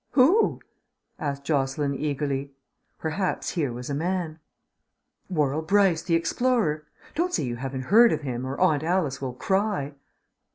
"Who?" asked Jocelyn eagerly. Perhaps here was a man. "Worrall Brice, the explorer. Don't say you haven't heard of him or Aunt Alice will cry."